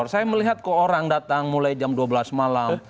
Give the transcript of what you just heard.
saya melihat kok orang datang mulai jam dua belas malam